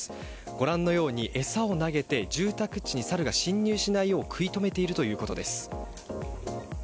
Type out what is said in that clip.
ご覧のように餌を投げて住宅地にサルが侵入しないよう食い止めているということです。